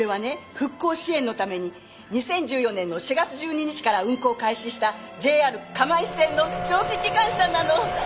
復興支援のために２０１４年の４月１２日から運行を開始したＪＲ釜石線の蒸気機関車なの。